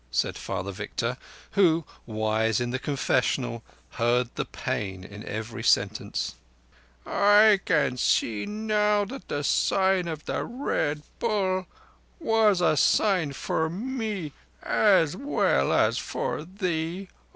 said Father Victor, who, wise in the confessional, heard the pain in every sentence. "I see now that the sign of the Red Bull was a sign for me as well as for thee.